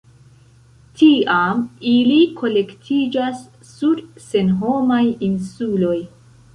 Tiam ili kolektiĝas sur senhomaj insuloj.